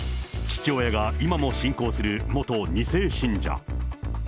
父親が今も信仰する元２世信者。